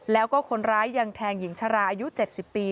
แล้วก็คนร้ายยังแทงหญิงชราอายุ๗๐ปี